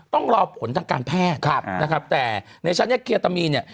ต้องรอผลทางการแพทย์นะครับแต่ในชั้นเนี้ยเคตามีนเนี่ย